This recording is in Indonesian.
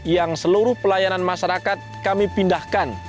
yang seluruh pelayanan masyarakat kami pindahkan